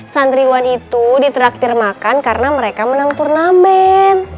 santriwan itu diteraktir makan karena mereka menang turnamen